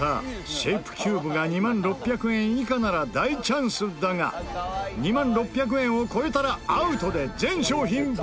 シェイプキューブが２万６００円以下なら大チャンスだが２万６００円を超えたらアウトで全商品没収！